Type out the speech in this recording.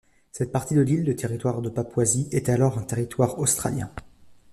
Cette partie de l'île, le Territoire de Papouasie, était alors un territoire australien.